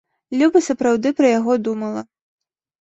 Люба сапраўды пра яго думала.